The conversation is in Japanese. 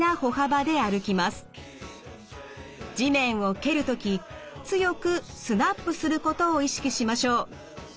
地面を蹴る時強くスナップすることを意識しましょう。